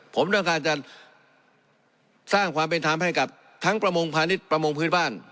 ผมต้องการจะสร้างความเป็นธรรมให้กับทั้งประมงพาณิชย์ประมงพื้นบ้าน